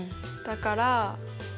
だから。